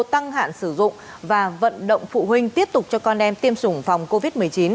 tăng hạn sử dụng và vận động phụ huynh tiếp tục cho con em tiêm chủng phòng covid một mươi chín